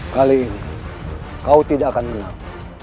kali ini kau tidak akan menang